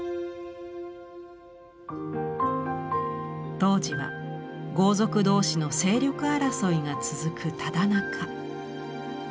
当時は豪族同士の勢力争いが続くただ中。